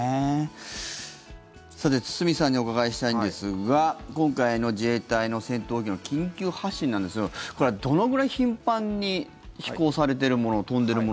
堤さんにお伺いしたいんですが今回の自衛隊の戦闘機の緊急発進なんですがこれはどのくらい頻繁に飛行されているもの